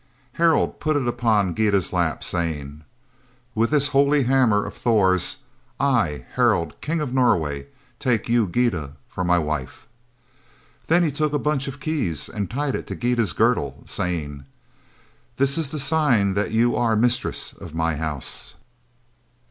Harald put it upon Gyda's lap, saying: "With this holy hammer of Thor's, I, Harald, King of Norway, take you, Gyda, for my wife." Then he took a bunch of keys and tied it to Gyda's girdle, saying: "This is the sign that you are mistress of my house."